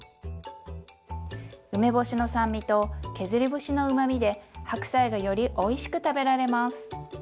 梅干しの酸味と削り節のうまみで白菜がよりおいしく食べられます。